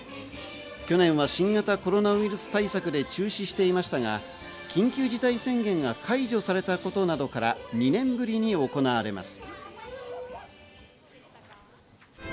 去年は新型コロナウイルス対策で中止していましたが、緊急事態宣言が解除されたことなどから２年ぶりに行われます。